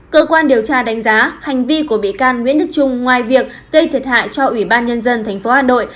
cơ quan điều tra đánh giá hành vi của bị can nguyễn đức trung ngoài việc gây thiệt hại cho ubnd tp hà nội